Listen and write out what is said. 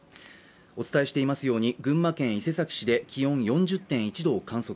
お伝えしていますように、群馬県伊勢崎市で気温４０．１度を観測。